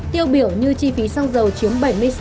tiêu biểu như chi phí sông dầu chiếm bảy mươi sáu bảy